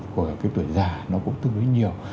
của cái tuổi già nó cũng tương đối nhiều